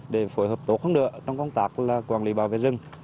để phối hợp tốt hơn nữa trong công tác quản lý bảo vệ rừng